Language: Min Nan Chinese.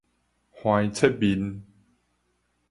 橫切面